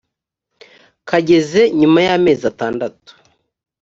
kageze nyuma y’amezi atandatu